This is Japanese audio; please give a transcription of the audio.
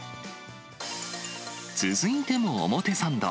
続いても表参道。